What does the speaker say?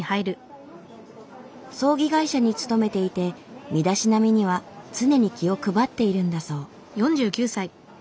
葬儀会社に勤めていて身だしなみには常に気を配っているんだそう。